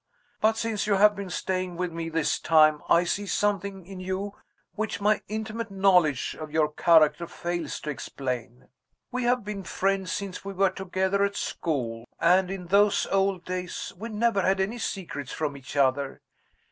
But, since you have been staying with me this time, I see something in you which my intimate knowledge of your character fails to explain. We have been friends since we were together at school and, in those old days, we never had any secrets from each other.